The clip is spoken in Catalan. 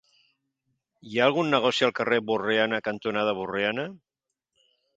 Hi ha algun negoci al carrer Borriana cantonada Borriana?